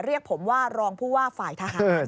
เรียกผมว่ารองผู้ว่าฝ่ายทหาร